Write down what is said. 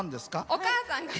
お母さんが。